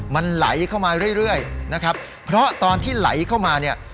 มันไหลเข้ามาเรื่อยนะครับเพราะตอนที่ไหลเข้ามาเนี่ย